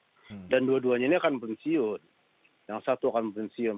sebab yang menarik itu adalah calon panglima tni yang akan menghadapi pemilihan tni